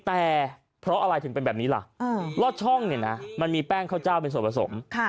แต่เพราะอะไรถึงเป็นแบบนี้ล่ะลอดช่องเนี่ยนะมันมีแป้งข้าวเจ้าเป็นส่วนผสม